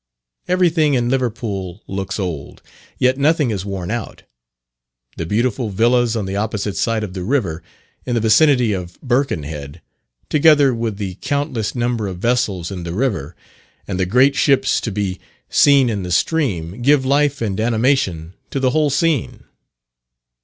Every thing in Liverpool looks old, yet nothing is worn out. The beautiful villas on the opposite side of the river, in the vicinity of Birkenhead, together with the countless number of vessels in the river, and the great ships to be seen in the stream, give life and animation to the whole scene.